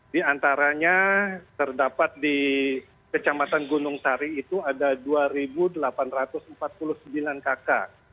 di antaranya terdapat di kecamatan gunung sari itu ada dua delapan ratus empat puluh sembilan kakak